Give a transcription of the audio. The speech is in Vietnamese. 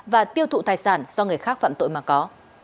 và tiêu thụ tài sản do người khác phạm tội mà có